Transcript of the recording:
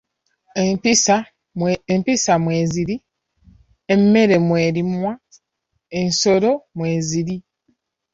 "Empisa mwe ziri, emmere mw'erimwa, ensolo mweziri."